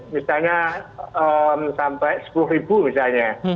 misalnya sampai rp sepuluh misalnya